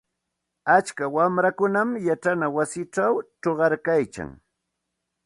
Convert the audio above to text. Atska wamrakunam yachana wasichaw chuqayarkan.